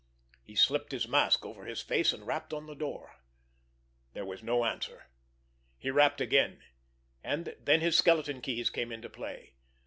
He slipped his mask over his face, and rapped on the door. There was no answer. He rapped again; and then his skeleton keys came into play.